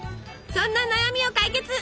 そんな悩みを解決！